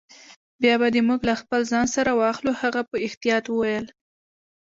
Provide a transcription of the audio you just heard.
بیا به دي موږ له خپل ځان سره واخلو. هغه په احتیاط وویل.